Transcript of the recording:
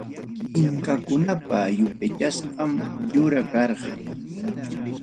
Inkakunapa yupaychasqam yura karqa.